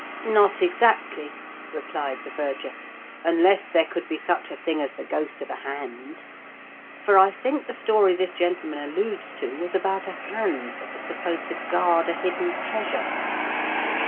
" Not exactly," replied the verger. " Unless there could be such a thing as the ghost of a hand ; for I think the story this gentleman alludes to was about a hand that was supposed to guard a hidden treasure."